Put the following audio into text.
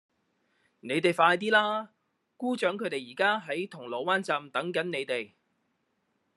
你哋快啲啦!姑丈佢哋而家喺銅鑼灣站等緊你哋